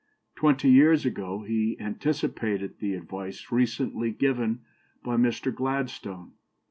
Twenty years ago he anticipated the advice recently given by Mr. Gladstone.